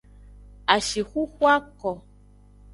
Ashixuxu ako.